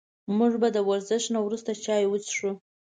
موږ به د ورزش نه وروسته چای وڅښو